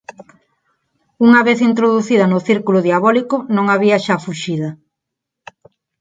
Unha vez introducida no círculo diabólico non había xa fuxida.